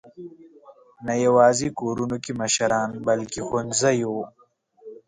نه یواځې کورونو کې مشران، بلکې ښوونځیو.